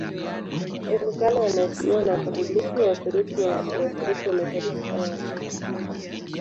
Tangu kale wanaheshimiwa na Wakatoliki, Waorthodoksi na Waorthodoksi wa Mashariki kama watakatifu.